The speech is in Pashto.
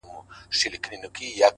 • پر اسمان یې د پردیو غوبل جوړ دی,